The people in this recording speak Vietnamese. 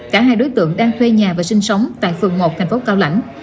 cả hai đối tượng đang thuê nhà và sinh sống tại phường một thành phố cao lãnh